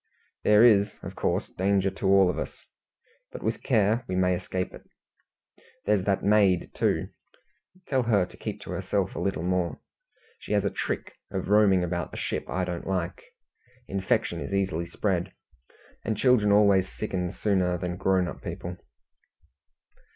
"There is, of course, danger to all of us; but with care we may escape it. There's that maid, too. Tell her to keep to herself a little more. She has a trick of roaming about the ship I don't like. Infection is easily spread, and children always sicken sooner than grown up people."